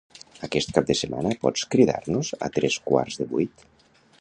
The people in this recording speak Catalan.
Aquest cap de setmana pots cridar-nos a tres quarts de vuit?